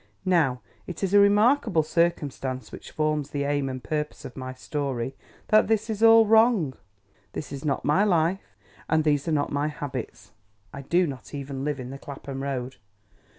Now, it is a remarkable circumstance which forms the aim and purpose of my story, that this is all wrong. This is not my life, and these are not my habits. I do not even live in the Clapham Road.